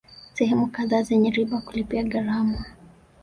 Sehemu kadhaa zenya riba kulipia gharama